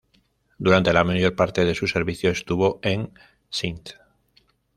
Durante la mayor parte de su servicio, estuvo en Sind.